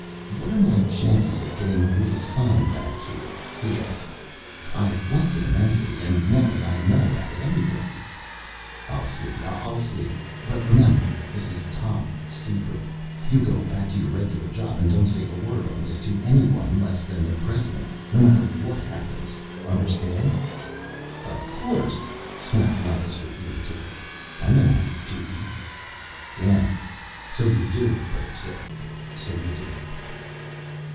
"What are my chances of getting re assigned back here?" he asked. "I've liked it immensely. And now that I know about it anyway " "I'll see. I'll see. But remember, this is top secret. You go back to your regular job and don't say a word on this to anyone less than the President no matter what happens, understand?" "Of course," snapped Lancaster, irritated. "I know my duty." "Yeah, so you do." Berg sighed. "So you do."